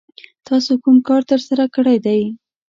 تاسو کوم کار ترسره کړی دی؟